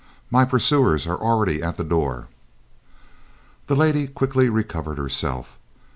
"My pursuers are already at the door." The lady quickly recovered herself.